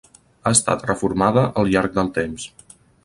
Ha estat reformada al llarg del temps.